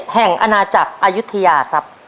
แห่งอนาจักรอยุธยาครับ